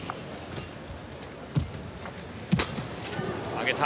上げた。